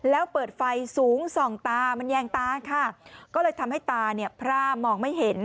แล้วเปิดไฟสูงส่องตามันแยงตาค่ะก็เลยทำให้ตาเนี่ยพร่ามองไม่เห็น